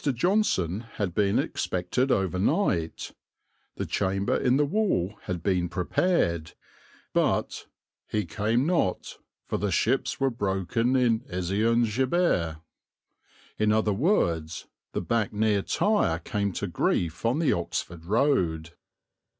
Johnson had been expected overnight; the chamber in the wall had been prepared; but "he came not, for the ships were broken in Ezion Geber." In other words, the back near tire came to grief on the Oxford Road.